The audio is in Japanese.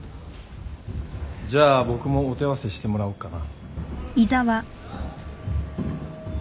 じゃあ僕もお手合わせしてもらおうかな。